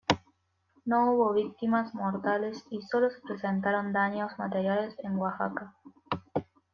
No hubo víctimas mortales y solo se presentaron daños materiales en Oaxaca.